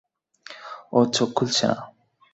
ও চোখ খুলছে না!